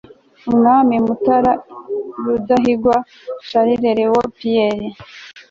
umwami mutara iii rudahigwa charles léon pierre